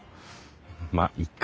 まっいっか。